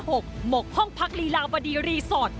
หกห้องพักลีลาบดีรีสอร์ท